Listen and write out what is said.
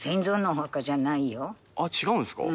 あっ違うんですか？